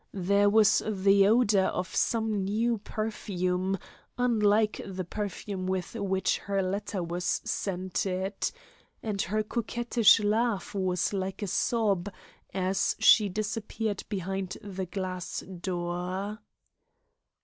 There was the odour of some new perfume, unlike the perfume with which her letter was scented. And her coquettish laugh was like a sob as she disappeared behind the glass door.